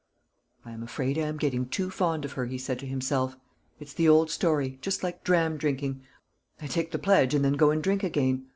"I am afraid I am getting too fond of her," he said to himself. "It's the old story: just like dram drinking. I take the pledge, and then go and drink again.